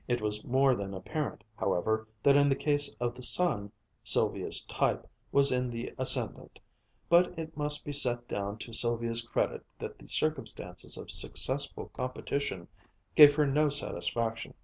It was more than apparent, however, that in the case of the son, Sylvia's "type" was in the ascendent; but it must be set down to Sylvia's credit that the circumstance of successful competition gave her no satisfaction.